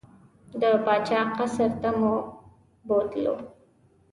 د پاچا قصر ته مو بوتلو.